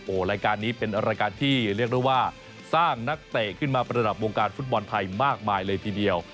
โอ้โหรายการนี้เป็นรายการที่เรียกได้ว่าสร้างนักเตะขึ้นมาประดับวงการฟุตบอลไทยมากมายเลยทีเดียว